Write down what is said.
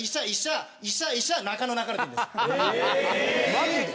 マジで？